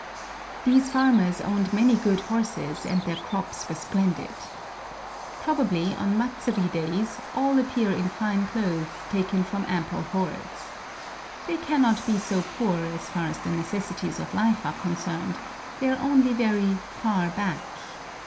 These farmers owned many good horses, and their crops were splendid. Probably on matsuri days all appear in fine clothes taken from ample hoards. They cannot be so poor, as far as the necessaries of life are concerned; they are only very "far back."